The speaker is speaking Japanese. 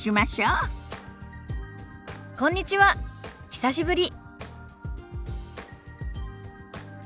久しぶり。